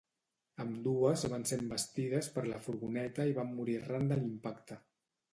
Ambdues van ser envestides per la furgoneta i van morir arran de l’impacte.